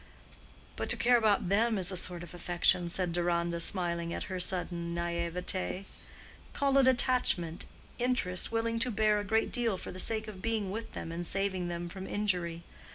"But to care about them is a sort of affection," said Deronda, smiling at her sudden naïveté. "Call it attachment; interest, willing to bear a great deal for the sake of being with them and saving them from injury.